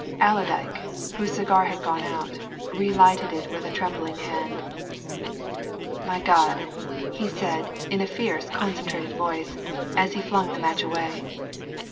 Allerdyke, whose cigar had gone out, relighted it with a trembling hand. "My God!" he said in a fierce, concentrated voice as he flung the match away.